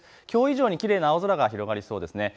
きょう以上にきれいな青空が広がりそうです。